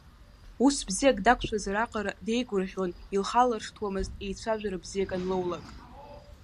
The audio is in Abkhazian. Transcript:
Ус бзиак дақәшәазар аҟара деигәырӷьон, илхалыршҭуамызт еицәажәара бзиак анлоулак.